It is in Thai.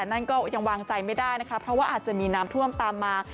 สุดสัปดาห์นี้แต่นั่นก็ยังวางใจไม่ได้นะคะเพราะว่าอาจจะมีน้ำท่วมตามมา